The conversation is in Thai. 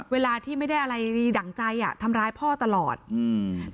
เวลาที่ไม่ได้อะไรดั่งใจอ่ะทำร้ายพ่อตลอดอืม